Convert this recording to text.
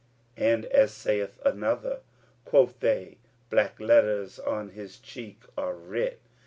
And as saith another, 'Quoth they, 'Black letters on his cheek are writ!